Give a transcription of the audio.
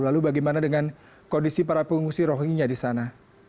lalu bagaimana dengan kondisi para pengungsi rohingya di sana